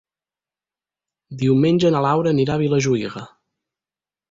Diumenge na Laura anirà a Vilajuïga.